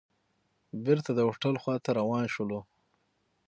بېرته د هوټل خوا ته روان شولو.